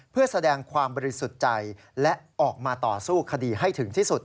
เพื่อแสดงความบริสุทธิ์ใจและออกมาต่อสู้คดีให้ถึงที่สุด